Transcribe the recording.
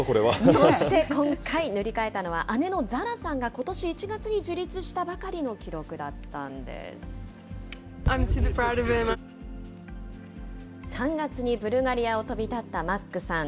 そして、今回塗り替えたのは、姉のザラさんが、ことし１月に樹３月にブルガリアを飛び立ったマックさん。